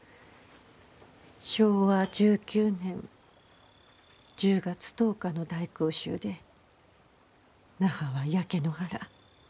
昭和１９年１０月１０日の大空襲で那覇は焼け野原